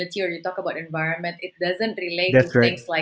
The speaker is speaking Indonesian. itu tidak berhubung dengan hal seperti